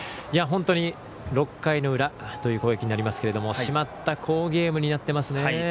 本当に、６回の裏という攻撃になりますけれども締まった好ゲームになってますね。